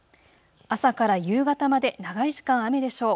朝から夕方まで長い時間、雨でしょう。